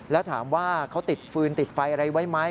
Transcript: แล้วถามว่าเขาติดฟืนติดไฟอะไรไว้ไหม